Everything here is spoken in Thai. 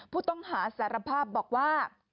ผู้ต้องหาสารภาพบอกว่า